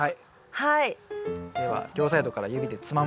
はい。